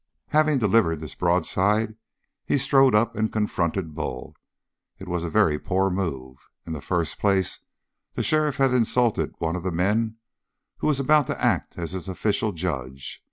Having delivered this broadside he strode up and confronted Bull. It was a very poor move. In the first place, the sheriff had insulted one of the men who was about to act as his official judge.